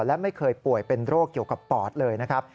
และไม่เคยป่วยเป็นโรคเกี่ยวกับปอดเลยนะครับ